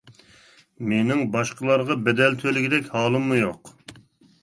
مېنىڭ باشقىلارغا بەدەل تۆلىگۈدەك ھالىممۇ يوق.